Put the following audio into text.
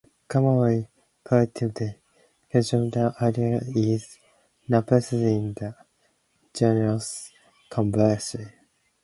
The commonly cultivated "Quisqualis indica" is now placed in the genus "Combretum".